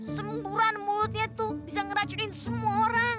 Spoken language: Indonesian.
semburan moodnya tuh bisa ngeracunin semua orang